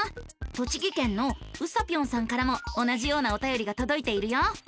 栃木県のうさぴょんさんからも同じようなおたよりがとどいているよ。